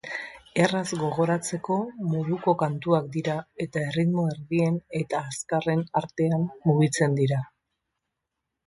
Erraz gogoratzeko moduko kantuak dira eta erritmo erdien eta azkarren artean mugitzen dira.